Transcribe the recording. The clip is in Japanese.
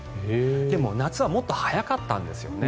でも夏はもっと早かったんですよね。